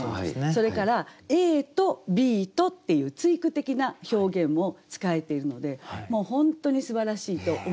それから「ＡとＢと」っていう対句的な表現も使えているのでもう本当にすばらしいと思います。